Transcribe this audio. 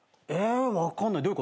分かんない？